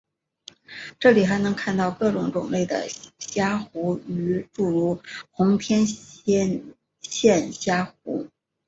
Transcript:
这里还能看到各种种类的虾虎鱼诸如红天线虾虎。